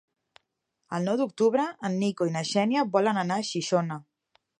El nou d'octubre en Nico i na Xènia volen anar a Xixona.